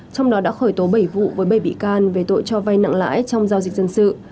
trong đó đã khởi tố bảy vụ với bảy bị can về tội cho vay nặng lãi trong giao dịch dân sự